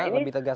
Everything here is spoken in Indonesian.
lebih tegas lagi